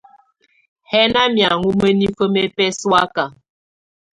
Hɛná miáŋɔ́ mǝ́nifǝ́ mɛ bɛ́sɔ̀áka.